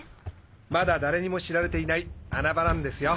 まだ誰にも知られていない穴場なんですよ！